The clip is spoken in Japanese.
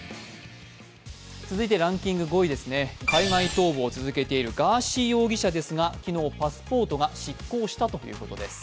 続いてランキング５位、海外逃亡を続けているガーシー容疑者ですが昨日、パスポートが失効したということです。